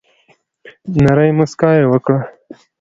نرۍ مسکا یي وکړه